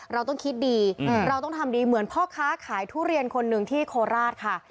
เราต้องคิดดีเราต้องทำดีเหมือนพ่อค้าขายทุเรียนคนหนึ่งที่โคราชค่ะ